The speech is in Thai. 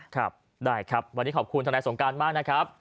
ครับได้ครับวันนี้ขอบคุณทนายสงการมากนะครับ